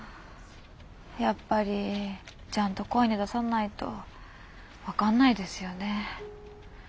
やっぱりちゃんと声に出さないと分かんないですよね。